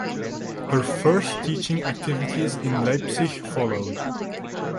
Her first teaching activities in Leipzig followed.